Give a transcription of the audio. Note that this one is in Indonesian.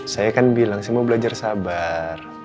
saya kan bilang saya mau belajar sabar